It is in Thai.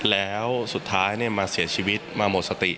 แล้วสุดท้ายมาเสียชีวิตมาหมดสติ